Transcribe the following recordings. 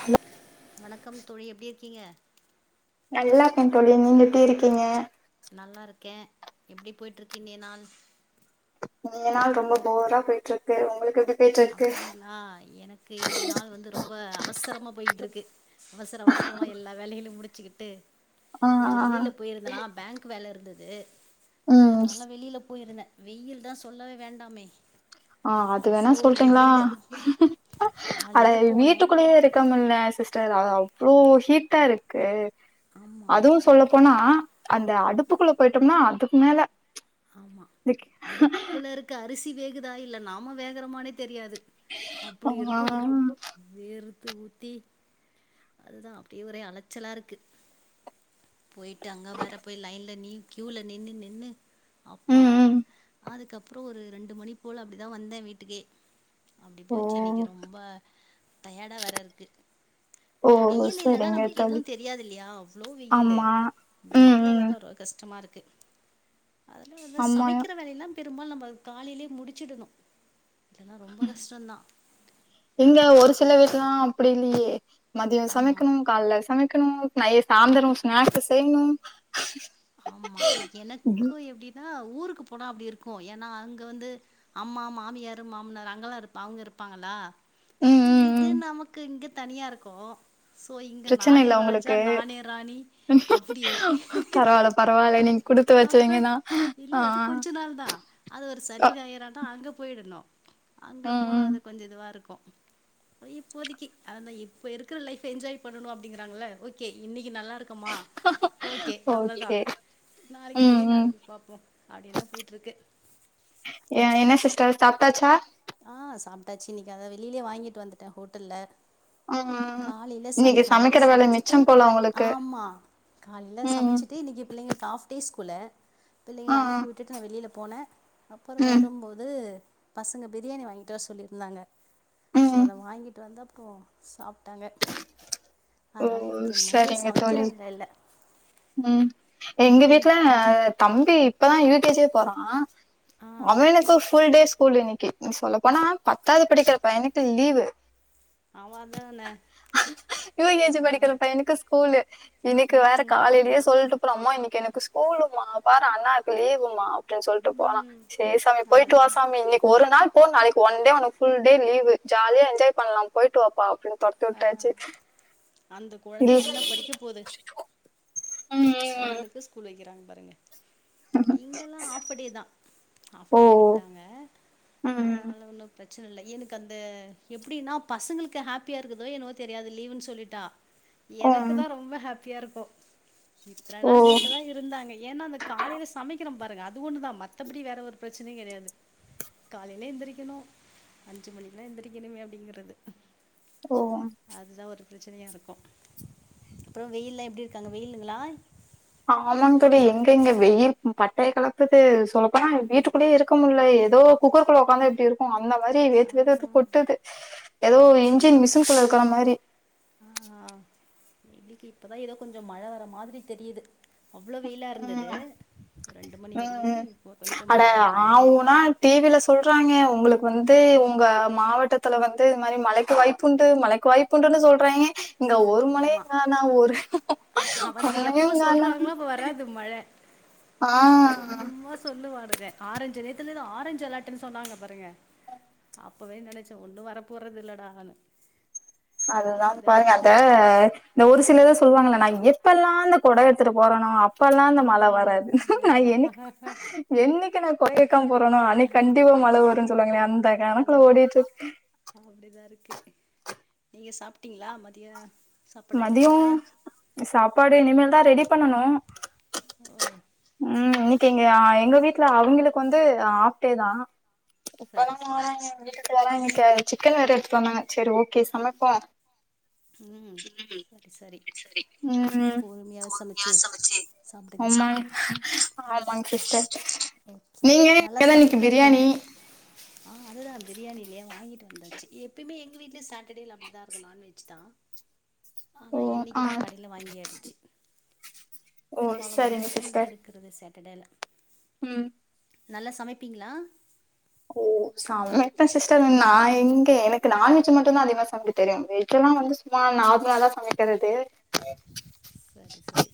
Hello வணக்கம் தோழி எப்படி இருக்கீங்க நல்லா இருக்கே தோழி நீங்க எப்படி இருக்கீங்க நல்லா இருக்கே எப்படி போய்ட்ருக்கு இன்னிய நாள் இன்னிய நாள் ரொம்ப போரா போயிட்ருக்கு உங்களுக்கு எப்படி அப்படிங்களா எனக்கு இன்னிய நாள் வந்து ரொம்ப அவசரமா போயிட்ருக்கு அவசர அவசரமா எல்லா வேலைகலையும் முடிச்சுக்கிட்டு ஆ ஆ கொஞ்ச வெளியில போயிருந்தேன்னா பேங்க் வேல இருந்தது ஸோ ம் ஸ்- அதனால வெளியில போயிருந்தே வெயில் தா சொல்லவே வேண்டாமே ஆ அது வேனா அவ்ளோ சொல்றீங்களா வெயிலு அட காலையிலே போனே வீட்டுக்குள்ளேயே இருக் க முல்ல சிஸ்டர் அவ்ளோ ஹீட்டா இருக்கு ஆமா அதுவு சொல்ல போனா அந்த அடுப்புக்குள்ள போயிட்டோம்னா அதுக்கு மேல ஆமா இந்த கி- அடுப்புல இருக்க அரிசி வேகுதா இல்ல நாம வேகறமான்னு தெரியாது ஆ அப்படி இருக்கு வேற்த்து ஊத்தி அதுதா அப்படியே ஒரே அலச்சலா இருக்கு போயிட்டு அங்க வேற போய் லைன்ல நீ கியூல நின்னு நின்னு அப்பா ம் ம் அதுக்கப்புறோ ஒரு ரெண்டு மணி போல அப்படிதா வந்தே வீட்டுக்கே அப்டி ஓ போச்சி இன்னைக்கு ரொம்ப டயார்டா வேற இருக்கு ஓ வை வெயில் இல்லடா சரிங்க நமக்கு தோழி எதுவு தெரியாது இல்லையா அவ்ளோ வெயிலு ஆமா ம் வெயில்லால ம் தா ட்ற கஷ்டமா இருக்கு அதுல வந்து ஆமா சமைக்கிற வேலையெல்லாம் பெரும்பாலு நம்ப அது காலையிலயே முடிச்சிடணு இல்லன்னா ரொம்ப கஷ்டதா இங்க ஒரு சில வீட்லலாம் அப்டி இல்லையே மதியோ ஆமா சமைக்கணு கால்ல சமைக்கணு நைஸ் சாந்துரோ ஸ்நக்ஸ் செய்யணு ஆமா எனக்கு எப்டினா ஊருக்கு போனா அப்டி இருக்கு ஏனா அங்க வந்து அம்மா மாமியார் மாமனார் அங்கெல்லா இருப்பா அவங்க இருப்பாங்களா ம் இது ம் நமக்கு இங்க தனியா இருக்கோ சோ இங்க பிரச்சன நானே இல்ல ராஜா உங்களுக்கு நானே ராணி அப்புடி பரவால்ல பரவால்ல நீங் அப்புற இல்ல அது கொஞ்ச நாள் தா அது ஒரு அ சரிதாயராத்தா அங்க போயிடணு அங்க ம் போனா ம் அது கொஞ்ச இதுவா இருக்கு இப்போதைக்கு அந்த இப்ப இருக்கிற லைஃப் என்ஜாய் பண்ணனு அப்டிங்கறாங்கள ஓகே இன்னைக்கு நல்லா இருக்கு குமா ஓகே அவ்ளதா ஓகே நாளைக்கு ம் கதைய ம் நாளைக்கு பாப்போ அப்டின்னா போயிட்ருக்கு ஏ என்ன சிஸ்டர் சாப்டாச்சா ஆ சாப்டாச்சி இன்னைக்கு அத வெளியிலேயே வாங்கிட்டு வந்துட்ட ஹோட்டல்ல ம் காலேல சமை இன்னைக்கு காலேல சமைக்கிற வேல சமச்சிட்டு மிச்சம் போல உங்களுக்கு ஆமா கால்ல ம் ம் சமச்சிட்டு இன்னைக்கு பிள்ளைங்களுக்கு ஆஃப் டே ஸ்கூல ஆ பிள்ளைங்கள ஆ அனுப்பி விட்டுட்டு நா வெளில போன அப்றோ ம் வரும்போது அங்க பிரியாணி வாங்கிட்ட வர சொல்லியிருந்தாங்க சோ ம் அத வாங்கிட்டு வந்த அப்றோ சாப்டாங்க ஓ அதனால இன்றைக்கி மதியோ சரிங்க சமைக்கிற தோழி வேல இல்ல ம் எங்க வீட்ல எனக்கு தம்பி இப்பதா யூகேஜியே போறா ஆ அவனுக்கு புல்டே ஸ்கூல் இன்னைக்கு நீ சொல்லப்போனா பத்தாவது படிக்கிற பயனுக்கு லீவு அவா தான யூகேஜி படிக்கிர பையன்னுக்கு ஸ்கூலு இன்னைக்கு வேற ம், காலே ல சொல்டு போற அம்மா இன்னைக்கு ஸ்கூலுமா பாரு அண்ணாக்கு லீவுமா அப்டின்னு சொல்டு போறா ம். சேர் சாமி போயிட்டு வா அதுதான. சாமி இன்னைக்கு ஒரு நாள் போ நாளைக்கு ஒன் டே ஒனக்கு புல்டே லீவு ஜாலியா என்ஜாய் பண்லா போயிட்டு வாப்பா அப்டின் தொர்த்திவுட்டாச்சி அந்த குழந்தை என்ன படிக்க அவுங்களுக்கு ஸ்கூல் வைக்கிறாங்க பாருங்க இங்கெல்லா ஆப்டே தா ம் ஓ ஆப்டேல விட்டாங்க அதுனால ம் ஒன்னு பிர ச்சன இல்ல எனக்கு அந்த எப்டின்னா பசங்களுக்கு ஹாப்பியாக இருக்குதோ என்னவோ தெரியாது லீவுன்னு சொல்லிட்டா எனக்கு தா ரொம்ப ஹாப்பியா இருக்கு இத்தன ஓ நாள் வீட்ல தா இருந்தாங்க ஏனா அந்த காலேல சமைக்கிறோ பாருங்க அது ஒன்னு தா மத்தபடி வேற ஒரு பிரச்சனையு கெடையாது காலேல எந்திரிக்கணு அஞ்சி மணிக்கு எல்லா எந்திரிக்கணுமே அப்டிங்கிறது ஓ ஓ அதுதா ஒரு பிரச்சனையா இருக்கு அப்ரோ வெயில்லா எப்டி இருக்காங்க வெயில்லு இதுங்கலாய் ஆமாங் தோழி எங்க இங்க வெயில் பட்டய கலப்புது சொல்லப்பேனா வீட்டுக்குள்ளே இருக் இருக்க முல்ல ஏதோ குக்கருக்குள்ள உக்காந்தா எப்டி இரு க்கு அந்த மாரி ஆ வெத்து வெத்து கொட்டுது ஏதோ இன்ஜின் ஓகே மிஷின்குள்ள இருக்கிற மாரி ஆ இன்னைக்கு இப்பதா ஏதோ கொஞ்சோ மழ வர மாதிரி தெரியுது அவ்ளோ வெயிலா இருந்தது ம் ரெண்டுமணி வரையு ம் இப்போ கொஞ்சோ மழ வர மாதிரி இருக்கு டி வில சொல்றாங்க உங்களுக்கு வந்து உங்க மாவட்டத்தில வந்து இது மாரி மலைக்கு வாய்ப்பு உண்டு மலைக்கு வாய்ப் குண்டுனு சொல்றாங்கே இங்க ஒரு மலயு ஆமா கானோ ஒரு அவனுங்க ஒன்னையு எப்ப காணோ சொல்றாங்களோ அப்ப வராது மழ ஆ சும்மா சொல்லுவானுங்க ஆரஞ்சு ரேத்துலத ஆரஞ்சு அலட்டுன்னு சொன்னாங்க பாருங்க அப்பவே நனச்சே ஒன்னு வரப்போறது இல்ல டானு அதுதா பா அத இந்த ஒரு சிலத சொல்வாங்கள நா எப்பல்லா அந்த கொட எடுத்துட்டு போறனோ அப் அப்பல்லா அந்த மழ ம் வராது நா அதா என்னைக் என்னைக்கு நா கொடைக்கம் போறணோ அன்னைக்கு கண்டிப்பா மழ வரும்ன்னு சொல்லுவாங்களே அந்த கணக்குல அததா ஓடிட்ருக் அப்டிதா இருக்கு நீங்க சாப்ட்டீங்களா மதிய சாப்பாடு மதியோ ஆயிடுச்சுங்களா சாப்பாடு இனிமேல் தா ரெடி பண்ணனு உ உ இன்னைக்கு எங்கே ஆ எங்க வீட்டுல அவிங்களுக்கு வந்து ஆப்டே தா சரி வறாங்க சரி வறாங்க வீட்டுக்கு வறாங்கே சிக்கன் வேற எடுத்துட் வந்தாங்க சேரி ஓகே சமப்போ உ சரி ம் போர்மயா சமச்சி சாப்டுகலா ஆமாங்க ஆமாங்க சிஸ்டர் நீங்க நல்லா இங்கதா இன்னைக்கு சமைப்பிங்கலோ பிரியாணி ஆ அதுதா பிரியாணிலயே வாங்கிட்டு வந்தச்சு எப்பயுமே எங்க வீட்டுல சேட்டடேல அப்டிதா இருக்கு நான்வெஜ் சுதா ஓ ஆனா ஆ இன்னைக்குதா கடய்ல வாங்கியாச்சு ஓ பெரும்பாலு வந்து சரிங்க சிக்கன் தா எடுக்கிறது ஸேட்டடே உ நல்லா சமைப்பிங்களா ஓ சமைப்பே சிஸ்டர் ந எங்க எனக்கு நான்வெஜ் மட்டும்தா அதிகமா சமைக்கதெரியு வெஜ் எல்லா வந்து சும்மா நார்முள்ளா தா சமைக்கிறது சரி சரி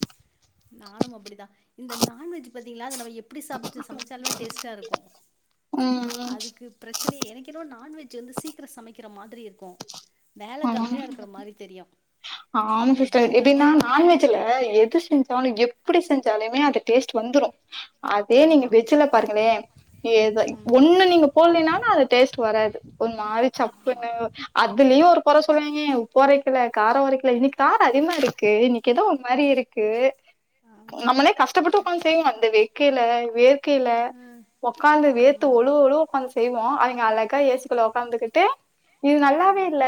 நானும் அப்டித்தா இந்த நான்வெஜ் பாத்தீங்களா அதுல நம்ம எப் எப்டி சாப்பு சமைச்சாலுமே டேஸ்ட்டா இருக்கு ம் அதுக்கு பிரச்சனையே எனக்கு என்னவோ நான்வெஜ் வந்து சீக்கர சமைக்கிற மாதிரி இருக்கோ வேல ஆமா கம்மியா இருக்கற மாரி தெரியு தெரி இதுல எது செஞ்சாலு எப்படி செஞ்சாலுமே அது டேஸ்ட் வந்துரு அதே நீங்க ஆமா வெஜ்ஜுல பாருங்களே ஏதோ ம் ஒண்ணு நீங்க போலேனாலு அது டேஸ்ட் வராது ஒரு மாரி ஆமா சப்புன்னு அதுலயு ஒரு கோர சொல்லுவீங்க உப்பு ஒரைக்கல கார ஒரைக்கல இனிக்கு கார அதிகமா இருக்கு இனிக்கி ஏதோ ஒரு மாரி இருக்கு ஆமா நம்மளே கஷ்டப்பட்டு உக்காந்து செய்வோ அந்த வெ க்கேல வேர்கேல ம் உக்காந்து வேத்து ஆமா ஒழுவ ஒழுவ உக்காந்து செய்வோ அவங்க அழகா ஏ சிக்குள்ள உக்காந்துகிட்டு இது நல்லாவே இல்ல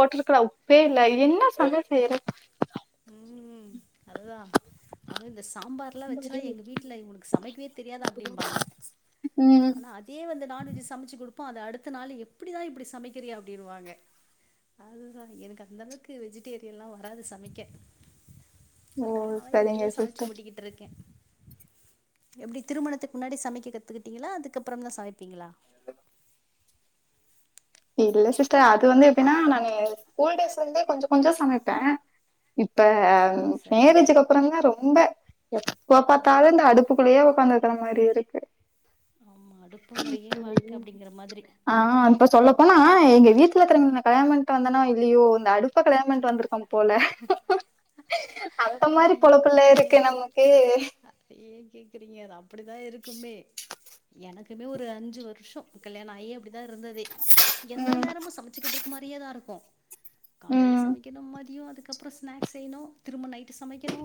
போட்டிருக்கிற உப்பே இல்ல என்ன சமையல் செய்ற உ அதுதா அதுவு இந்த சாம்பார் லா வச்சனா எங்க வீட்ல இவங்களுக்கு சமைக்கவே தெரியாதா அப்டின்பாங்க ம் ஆனா அது வே வந்த நான்வெஜ் சமச்சி குடுப்போ அத அடுத்த நாள் எப்படி தா இப்படி சமைக்கிறியோ அப்டின்பாங்க அதுதா எனக்கு அந்த அளவுக்கு வெஜிடேரியன்லா வராது சமைக்க ஓ நா சரிங்க எப்டியோ சமைச்சி சிஸ்டர் ஓட்டிகிட்டு இருக்கே எப்டி திருமணத்துக்கு முன்னாடி சமைக்க கத்துக்கிட்டீங்களா அதுக்கப்புறம்தா சமைப்பீங்களா இல்ல சிஸ்டர் அது வந்து எப்டின்னா நாங்கே ஸ்கூல் டேஸ்ல வந்து கொஞ்ச கொஞ்சோ சமைப்ப இப்ப சரி சரி மேரேஜ்ஜுக்கப் றம்தா ரொம்ப எப்ப பாத்தாலு இந்த அடுப்புக்குள்ளேயே ஒக்காந்துருக்கிற மாரி இருக்கு ஆமா அடுப்பங்கறையே வாழ்க்க அப்டிங்கிற மாதிரி ஆ அப்ப சொல்ல போனா எங்க வீட்ல இருக்கறவங்கள கல்யாணோ பண்ணிட்டு வந்தனோ இல்லையோ இந்த அடுப்ப கல்யாண பண்ட்டு வந்துருக்க போல அடுப்பு அந்த அது மாரி பொலப்புல்ல இருக்கு நமக்கு அத ஏ கேக்குறீங்க அது அப்படிதா இருக்குமே எனக்குமே ஒரு அஞ்சு வருஷோ கல்யாண ஆயி அப்படிதா இருந்ததே எந்த ம் நேரமு சமைச்சிக்கிட்ரு மாரியேதா இருக்கு காலையில ம் சமைக்கணு மதியோ அதுக்கப்புறோ ஸ்நாக்ஸ் செய்னு திரும்ப நைட் சமைக்கணு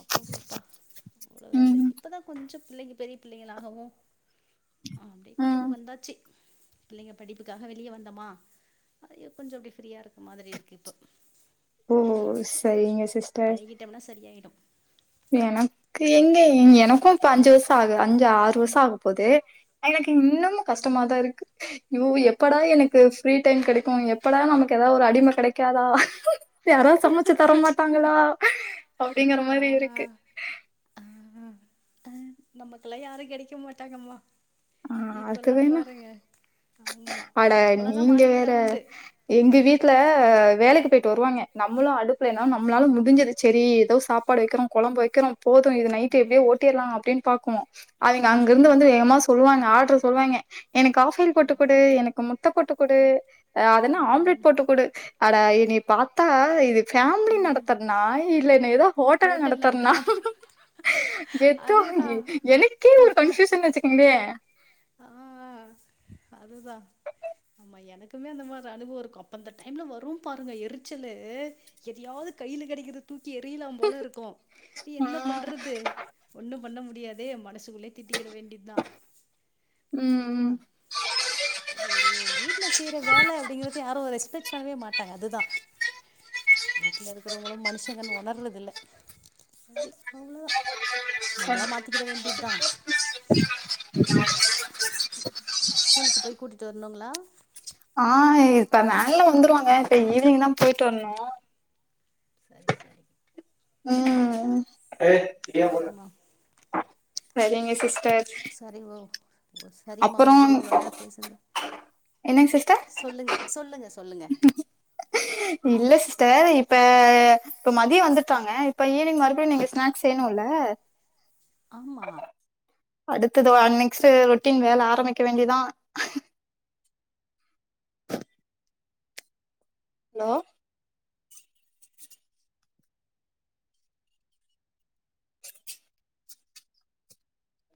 அப்பப்பப்பா அவுளதா இது ம் இப்பதா கொஞ்ச பிள்ளைங்க பெரிய பிள்ளைகளாகவு அப்படியே கொஞ்ச ம் அப்டி வந்தாச்சி பிள்ளைங்க படிப்புக்காக வெளிய வந்தமா அயோ கொஞ்ச அப்டே ஃப்ரீயா இருக்க மாதிரி இருக்கு இப்ப ஓ சரிங்க சிஸ்டர் விட்டம்னா சரி ஆயிடு எனக்கு எங்க எனக்கு இப்ப அஞ்சு வருஷோ ஆக அஞ்சு ஆறு வருஷோ ஆகப்போது எனக்கு இன்னமு கஷ்டமாதா இருக்கு யோ எப்படா எனக்கு ஃப்ரீ டைம் கெடைக்கு எப்படா நமக்கு ஏதாவது ஒரு அடிம கெடைக்காதா யாரா சமைச்சி தர மாட்டாங்களா அப்படிங்கற மாரி இருக் அ ஆ அ நம்மக்கெல்லா யாரு கெடைக்க மாட்டாங்கம்மா ஆ அது இப்பல்லா வேணா பாருங்க ஆமா அட நம்பளாதா நீங்க மாறிக்கிட்டா வேற உண்டு எங்க வீட்ல வேலைக்கு போயிட்டு வருவாங்க நம்மளு அடுப்புலனா நம்மளால முடிஞ்சது செரி ஏதோ சாப்பாடு வைக்கறோ கொழம்பு வைக்கறோ போது இது நைட்டு எப்டியோ ஓட்டிலா அப்டின்னு பாக்குவோ அதுங்க அங்க இருந்து ம் வந்து வேகமா சொல்லுவாங்க ஆர்டர் சொல்லுவாங்க எனக்கு ஹாஃபாயில் போட்டு குடு எனக்கு முட் முட்ட போட்டுக் குடு அது என்ன ஆம்லெட் ம் போட்டுக் குடு அட என்னைய பாத்தா இது ஃபேமிலி நடத்தறனா இல்ல என்ன எதா ஹோட்டல் நடத்தறனா கெத்தா அதேதா வாங்கி எனக்கே ஒரு கன்ஃபியூஷன் வச்சி கிங்ளே ஆ அதுதா ஆமா எனக்குமே அந்த மாரி அனுபவோ இருக்கு அப்ப அந்த டைம் வரும் பாருங்க எரிச்சலு எதையாவது கையில கடைக்கிறத தூக்கி எரியலாம் போல இருக்கு சரி என்ன ம். பண்றது ஒன்னும் பண்ண முடியாதே மனசுக்குள்ளே திட்டிக்கிற வேண்டியதா அதுதா ம். அது ஒரு வீட்ல செய்யற வேல அப்டிங்கறத யாரு ரெஸ்பெக்ட் பண்ணவே மாட்டாங்க அதுதா வீட்ல இருக்கறவுங்களு மனுஷங்கன்னு ஒணர்றது இல்ல சரி அவ்ளோதா நம்மளா மாத்திக்கிட வேண்டியதா ஸ்கூலுக்கு போய் கூட்டிட்டு வரணுங்களா ஆ இப்ப வேன்ல வந்துருவாங்க இப்ப ஈவினிங் தா போயிட்டு வரணு சரி சரி ம் சரிம்மா சரிங்க சிஸ்டர் சரி ஓ சரிம்மா அப்புறோ உங்க கூட இவ்ளோ நேரோ பேசன்து என்னங்க சிஸ்டர் இல்ல சிஸ்டர் இப்ப இப்ப மதியோ வந்துற்பாங்க இப்ப ஈவினிங் மறுபடியு நீங்க ஸ்நாக்ஸ் செய்ணுல்ல ஆமா அடுத்தது வாங் நெக்ஸ்டு ரொட்டின் வேல ஆரம்பிக்க வேண்டிதா ஹலோ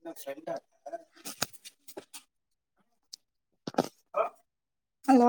என் செண்டா ஹலோ